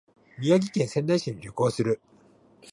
宮城県仙台市に旅行する